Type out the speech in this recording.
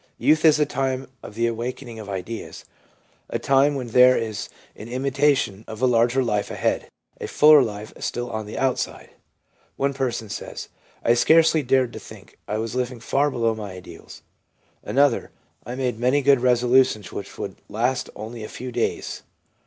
Youth is the time of the awakening of ideals, a time when there is an intimation of a larger life ahead, a fuller life still on the outside. One person says, ' I scarcely dared to think. I was living far below my ideals.' Another, ' I made many good resolutions, which would last only a few days.'